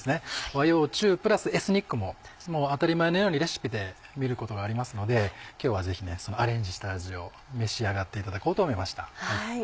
和洋中プラスエスニックももう当たり前のようにレシピで見ることがありますので今日はぜひそのアレンジした味を召し上がっていただこうと思いました。